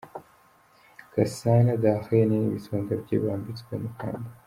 Gasana Darlène n’ibisonga bye bambitswe amakamba.